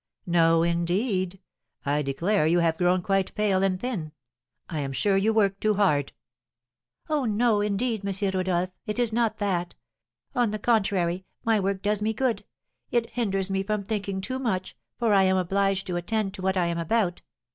No, indeed. I declare you have grown quite pale and thin; I am sure you work too hard." "Oh, no, indeed, M. Rodolph, it is not that. On the contrary, my work does me good; it hinders me from thinking too much, for I am obliged to attend to what I am about.